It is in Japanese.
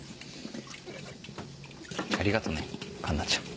ありがとね奏奈ちゃん。